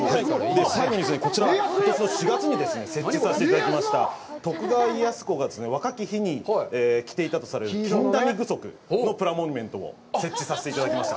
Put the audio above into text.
最後にこちら、ことしの４月に設置させていただきました徳川家康公が若き日に着ていたとされる「金陀美具足」のプラモニュメントを設置させていただきました。